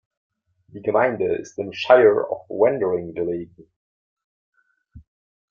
Die Gemeinde ist im Shire of Wandering gelegen.